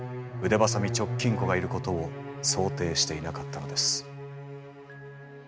鋏直近子がいることを想定していなかったのです。